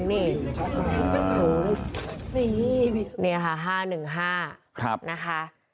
นี่ค่ะ๕๑๕นะคะ